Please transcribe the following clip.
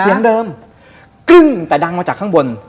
เกิ่งแต่ดังมาจากข้างบน